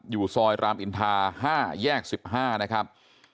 อยู่ซอยรามอินทา๕แยก๑๕นะครับ